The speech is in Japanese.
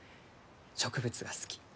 植物が好き。